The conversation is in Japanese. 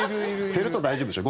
減ると大丈夫でしょ？